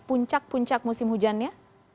puncak puncak musim hujan ya